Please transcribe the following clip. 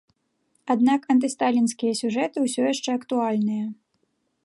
Аднак антысталінскія сюжэты ўсё яшчэ актуальныя.